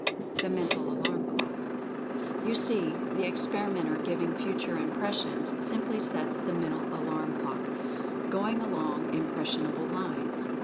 THE MENTAL ALARM CLOCK. You see, the experimenter giving Future Impres sions simply sets the Mental Alarm clock going along "impressionable" lines.